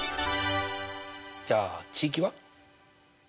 じゃあ値域は？